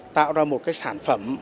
tạo ra một cái sản phẩm